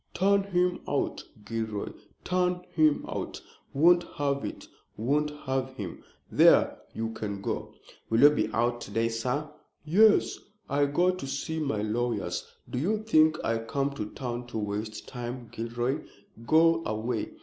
Turn him out, Gilroy, turn him out! Won't have it, won't have him! There! you can go." "Will you be out to day, sir?" "Yes, I go to see my lawyers. Do you think I come to town to waste time, Gilroy? Go away."